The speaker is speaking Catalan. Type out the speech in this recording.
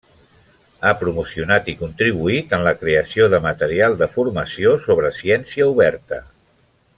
Ha promocionat i contribuït en la creació de material de formació sobre ciència oberta.